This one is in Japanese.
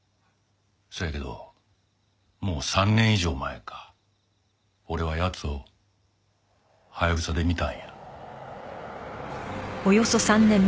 そやけどもう３年以上前か俺は奴をハヤブサで見たんや。